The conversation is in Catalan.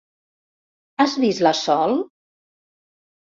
Has vist la Sol?